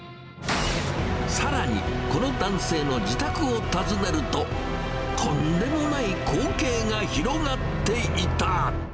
さらに、この男性の自宅を訪ねると、とんでもない光景が広がっていた。